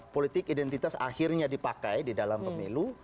politik identitas akhirnya dipakai di dalam pemilu